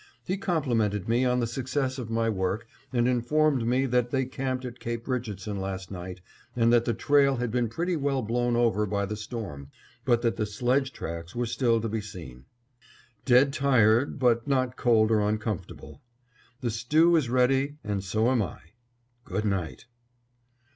He complimented me on the success of my work and informed me that they camped at Cape Richardson last night and that the trail had been pretty well blown over by the storm, but that the sledge tracks were still to be seen. Dead tired, but not cold or uncomfortable. The stew is ready and so am I. Goodnight!